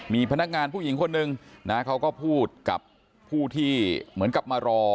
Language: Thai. มีพนักงานผู้หญิงคนหนึ่งนะเขาก็พูดกับผู้ที่เหมือนกับมารอ